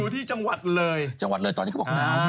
ตอนนี้เขาบอกน้ำ